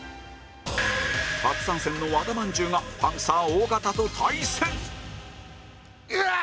初参戦の和田まんじゅうがパンサー尾形と対戦うわー！